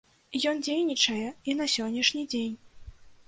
Ён дзейнічае і на сённяшні дзень.